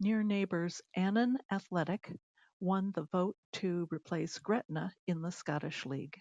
Near neighbours Annan Athletic won the vote to replace Gretna in the Scottish league.